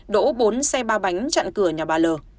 đỗ bốn xe ba bánh chặn cửa nhà bà l